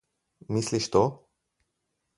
Misliš to?